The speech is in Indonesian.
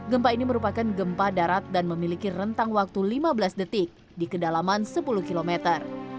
gempa ini merupakan gempa darat dan memiliki rentang waktu lima belas detik di kedalaman sepuluh kilometer